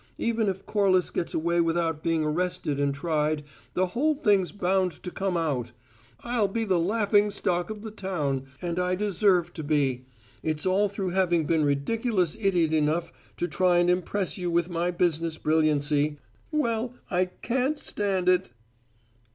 Even if Corliss gets away without being arrested and tried, the whole thing's bound to come out. I'll be the laughing stock of the town and I deserve to be: it's all through having been ridiculous idiot enough to try and impress you with my business brilliancy. Well, I can't stand it!"